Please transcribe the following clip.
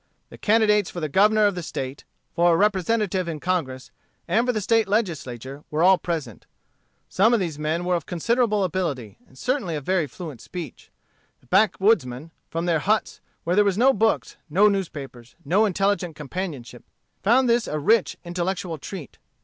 The candidates for the Governor of the State, for a representative in Congress, and for the State Legislature, were all present. Some of these men were of considerable ability, and certainly of very fluent speech. The backwoodsmen, from their huts, where there were no books, no newspapers, no intelligent companionship, found this a rich intellectual treat.